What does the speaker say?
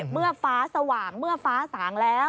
เมื่อฟ้าสว่างเมื่อฟ้าสางแล้ว